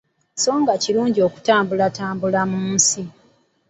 So nga kirungi okutambulatambula mu nsi.